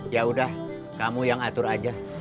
ya udah kamu yang atur aja